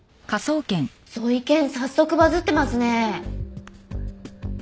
ゾイケン早速バズってますね！